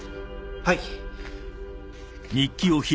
はい。